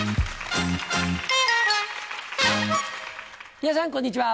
皆さんこんにちは。